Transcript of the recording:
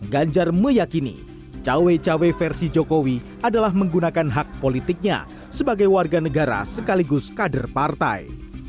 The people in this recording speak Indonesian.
ganjar meyakini cawe cawe versi jokowi adalah menggunakan hak politiknya sebagai warga negara sekaligus kader partai